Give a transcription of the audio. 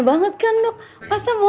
sekarang kita akan menikah sama nek tau